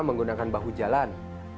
menggunakan bahu jalan